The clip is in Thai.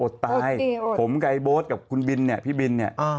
อดตายผมกับบนและพี่บิน